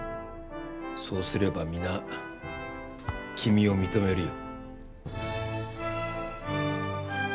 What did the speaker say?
そうすれば皆君を認めるよ。